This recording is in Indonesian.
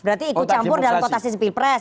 berarti ikut campur dalam kotasi speedpress